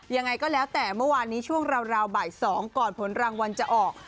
ยังไงก็แล้วแต่เมื่อวานนี้ช่วงราวบ่าย๒ก่อนผลรางวัลจะออก